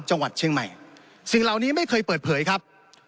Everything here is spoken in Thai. จังหวัดเชียงใหม่สิ่งเหล่านี้ไม่เคยเปิดเผยครับ